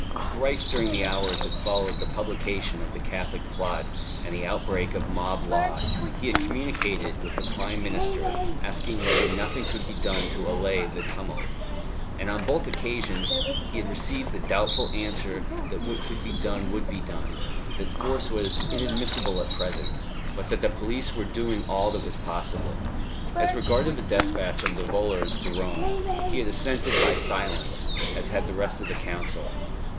Thrice during the hours that followed the publication of the Catholic plot and the outbreak of mob law he had communicated with the Prime Minister asking whether nothing could be done to allay the tumult; and on both occasions he had received the doubtful answer that what could be done would be done, that force was inadmissible at present; but that the police were doing all that was possible. As regarded the despatch of the volors to Rome, he had assented by silence, as had the rest of the Council.